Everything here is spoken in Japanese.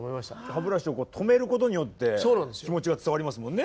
歯ブラシをこう止めることによって気持ちが伝わりますもんね。